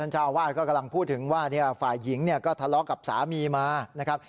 เจ้าอาวาสก็กำลังพูดถึงว่าฝ่ายหญิงเนี่ยก็ทะเลาะกับสามีมานะครับ